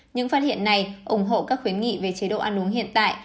những phát hiện này ủng hộ các khuyến nghị về chế độ ăn uống hiện tại